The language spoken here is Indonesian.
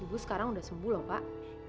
ibu sekarang udah sembuh lho pak